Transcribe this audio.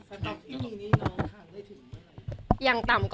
แล้วต่อปีนี้น้องทานได้ถึงไหมคะ